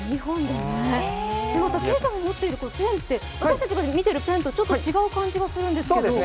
Ｋａｙさんが持っているペンって私たちが持っているのとちょっと違う感じがするんですけど。